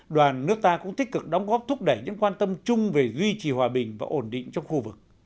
đoàn nước ta cũng tích cực đóng góp thúc đẩy những quan tâm chung về duy trì hòa bình và ổn định trong khu vực